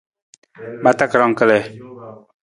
Ma takarang kalii.